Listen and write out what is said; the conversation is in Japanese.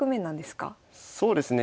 そうですね